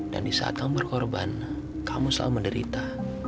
dan di saat kamu berkorban kamu selalu menderita